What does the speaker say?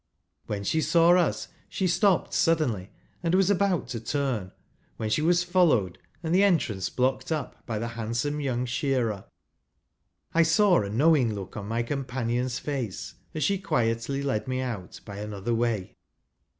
When she saw us she stopped suddenly, and was about to turn, when she was followed, and the entrance blocked up by the handsome young shearer. I saw a knowing look on my companion's face, as she quietly led me out by another way.